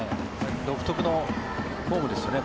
独特のフォームですよね。